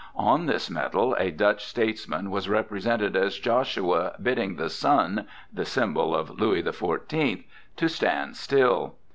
On this medal a Dutch statesman was represented as Joshua bidding the sun (the symbol of Louis the Fourteenth) to stand still.